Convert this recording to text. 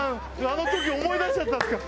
あの時を思い出しちゃったんですか。